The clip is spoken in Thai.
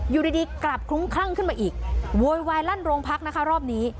อยู่ดีกลับคลุ้มคลั่งขึ้นมาอีกโวยวายลั่นโรงพักนะคะรอบนี้